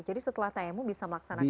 jadi setelah tayamu bisa melaksanakan ibadah